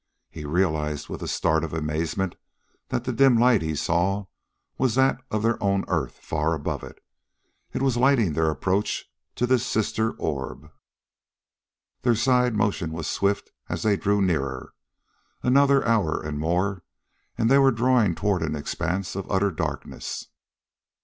He realized with a start of amazement that the dim light he saw was that of their own earth far above: it was lighting their approach to this sister orb. Their side motion was swift as they drew nearer. Another hour and more, and they were drawing toward an expanse of utter darkness.